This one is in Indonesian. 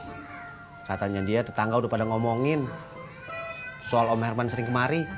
terus katanya dia tetangga udah pada ngomongin soal om herman sering kemari